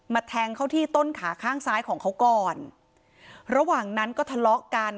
แทงเขาที่ต้นขาข้างซ้ายของเขาก่อนระหว่างนั้นก็ทะเลาะกัน